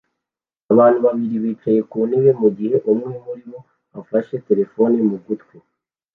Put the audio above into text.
Abantu babiri bicaye ku ntebe mu gihe umwe muri bo afashe telefoni mu gutwi